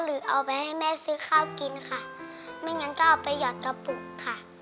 หรือเอาไปให้แม่ซื้อข้าวกินค่ะไม่งั้นก็เอาไปหยอดกระปุกค่ะ